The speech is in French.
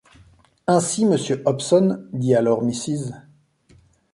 Ainsi, monsieur Hobson, dit alors Mrs.